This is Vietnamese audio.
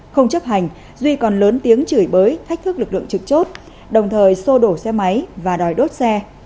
không chấp hành duy còn lớn tiếng chửi bới thách thức lực lượng trực chốt đồng thời sô đổ xe máy và đòi đốt xe